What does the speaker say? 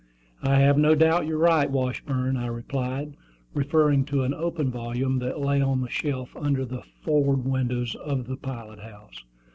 "I have no doubt you are right, Washburn," I replied, referring to an open volume that lay on the shelf under the forward windows of the pilot house.